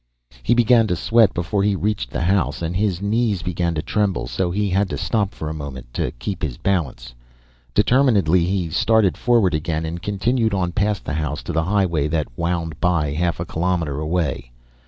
He began to sweat before he reached the house and his knees began to tremble so, he had to stop for a moment, to keep his balance. Determinedly he started forward again and continued on past the house to the highway that wound by half a kilometer away.